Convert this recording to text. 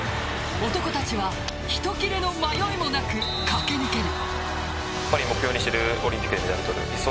男たちは一切れの迷いもなく駆け抜ける。